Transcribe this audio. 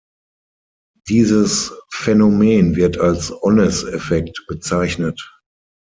Dieses Phänomen wird als Onnes-Effekt bezeichnet.